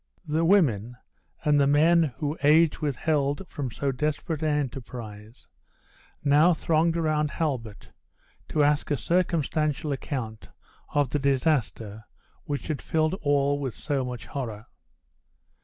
The women, and the men who age withheld from so desperate an enterprise, now thronged around Halbert, to ask a circumstantial account of the disaster which had filled all with so much horror.